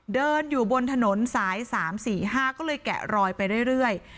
เดินอยู่บนถนนสาย๓๔๕ก็เลยแกะรอยไปเรื่อย